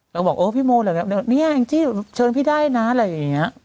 แล้วบอกพี่โมแบบนี้เองจี้เชิญพี่ได้นะอะไรอย่างนี้